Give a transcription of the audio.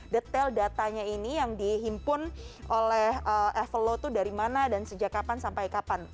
detail datanya ini yang dihimpun oleh evelow itu dari mana dan sejak kapan sampai kapan